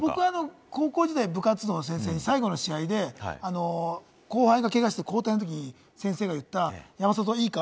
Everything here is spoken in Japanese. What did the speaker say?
高校時代、部活動の先生に最後の試合で後輩がけがして、交代の時に先生が言った、山里、いいか？